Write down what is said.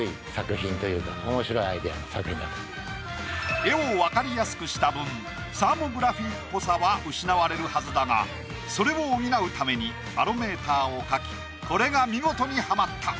絵を分かりやすくした分サーモグラフィーっぽさは失われるはずだがそれを補うためにバロメーターを描きこれが見事にはまった。